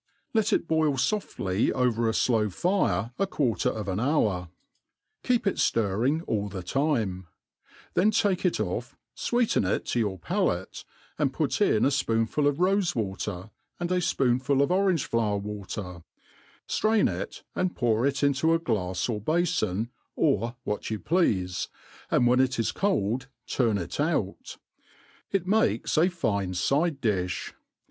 L?t it boil foftly over a flow MADE PLAIN AND EASY. 299 flow fire a quarter of an hoar, keep it ftirring all the time \ then cake it ofF, fweeten it to your palate, and put in a fpoon* ful of rofe water, and a fpoonful of orange flower water; ftraia it, and pour it into a glafs or bafon, or what you pleafe, and when it is cold turn it out. It makes a fine fide difh.